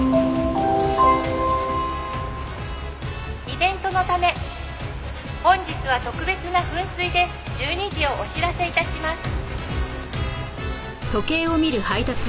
「イベントのため本日は特別な噴水で１２時をお知らせ致します」